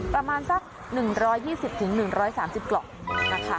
ประมาณสัก๑๒๐๑๓๐กล่องนะคะ